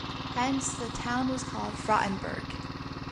Hence, the town was called "Frauenburg".